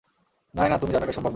নায়না, তুমি জানো এটা সম্ভব না।